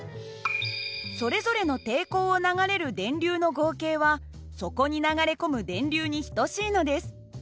それぞれの抵抗を流れる電流の合計はそこに流れ込む電流に等しいのです。